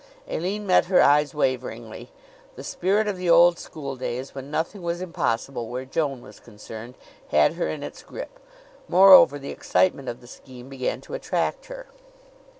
Aline met her eyes waveringly. The spirit of the old schooldays, when nothing was impossible where Joan was concerned, had her in its grip. Moreover, the excitement of the scheme began to attract her.